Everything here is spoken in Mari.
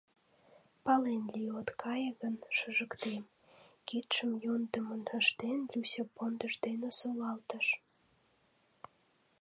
— Пален лий, от кае гын, шыжыктем, — кидшым йӧндымын ыштен, Люся пондыж дене солалтыш.